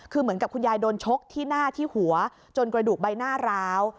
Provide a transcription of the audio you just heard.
คือเหมือนกับคุณยายโดนชกที่หน้าที่หัวจนกระดูกใบหน้าร้าว